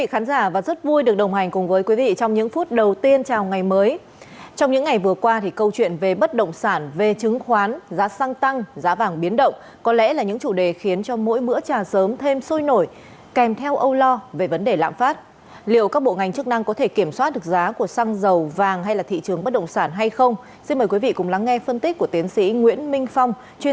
hãy đăng ký kênh để ủng hộ kênh của chúng mình nhé